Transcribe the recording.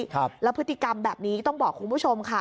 ครับแล้วพฤติกรรมแบบนี้ต้องบอกคุณผู้ชมค่ะ